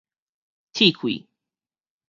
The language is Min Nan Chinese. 搋開